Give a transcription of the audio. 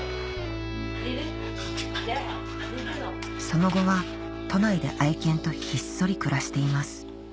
その後は都内で愛犬とひっそり暮らしています